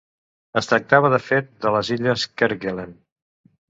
Es tractava, de fet, de les illes Kerguelen.